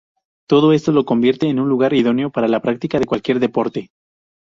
Todo esto lo convierte en un lugar idóneo para la práctica de cualquier deporte.